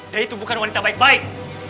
dari itu bukan wanita baik baik